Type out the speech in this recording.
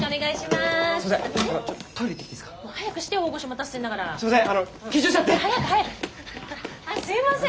すいません